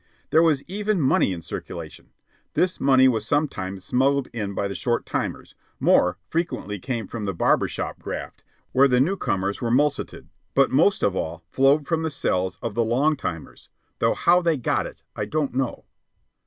There was even money in circulation. This money was sometimes smuggled in by the short timers, more frequently came from the barber shop graft, where the newcomers were mulcted, but most of all flowed from the cells of the long timers though how they got it I don't know.